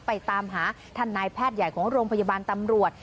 ตามหาท่านนายแพทย์ใหญ่ของโรงพยาบาลตำรวจ